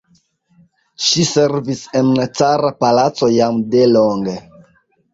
Ŝi servis en la cara palaco jam de longe.